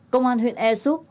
công an huyện e xúc